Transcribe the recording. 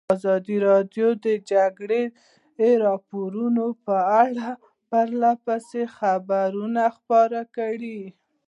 ازادي راډیو د د جګړې راپورونه په اړه پرله پسې خبرونه خپاره کړي.